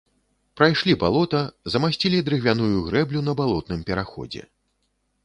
Прайшлі балота, замасцілі дрыгвяную грэблю на балотным пераходзе.